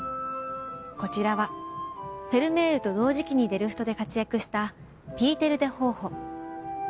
こちらはフェルメールと同時期にデルフトで活躍した。